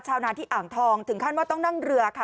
นานที่อ่างทองถึงขั้นว่าต้องนั่งเรือค่ะ